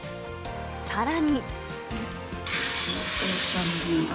さらに。